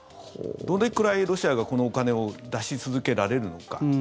どれくらいロシアがこのお金を出し続けられるのか。